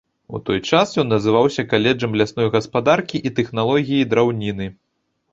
У той час ён называўся каледжам лясной гаспадаркі і тэхналогіі драўніны.